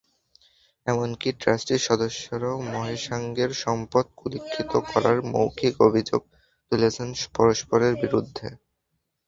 এমনকি ট্রাস্টির সদস্যরাও মহেশাঙ্গনের সম্পদ কুক্ষিগত করার মৌখিক অভিযোগ তুলছেন পরস্পরের বিরুদ্ধে।